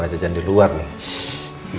masa yang terbaik